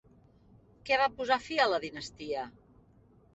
Què va posar fi a la dinastia?